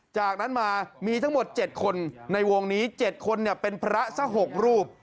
จากนั้นมามีทั้งหมด๗คนในวงนี้๗คนเป็นพระสัก๖รูป